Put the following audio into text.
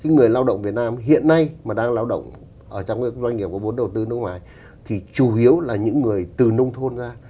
người lao động việt nam hiện nay mà đang lao động ở trong doanh nghiệp có vốn đầu tư nước ngoài thì chủ yếu là những người từ nông thôn ra